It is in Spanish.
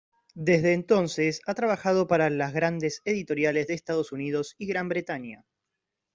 Desde entonces ha trabajado para las grandes editoriales de Estados Unidos y Gran Bretaña.